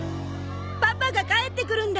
パパが帰ってくるんだ！